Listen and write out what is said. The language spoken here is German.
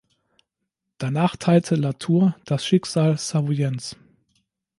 Danach teilte La Tour das Schicksal Savoyens.